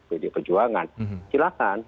pd perjuangan silahkan